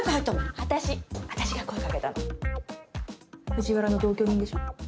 藤原の同居人でしょ？